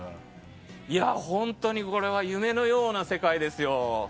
本当にこれは夢のような世界ですよ。